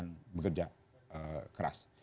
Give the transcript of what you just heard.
untuk bekerja keras